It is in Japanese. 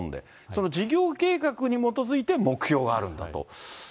その事業計画に基づいて目標があるんだと。